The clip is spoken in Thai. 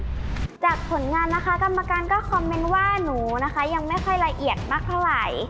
จากผลงานนะคะกรรมการก็คอมเมนต์ว่าหนูนะคะยังไม่ค่อยละเอียดมากเท่าไหร่